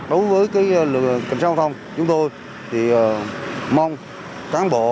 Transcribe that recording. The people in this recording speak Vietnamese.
đối với cảnh sát hoa thông chúng tôi mong cán bộ